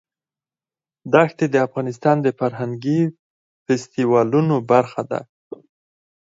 دښتې د افغانستان د فرهنګي فستیوالونو برخه ده.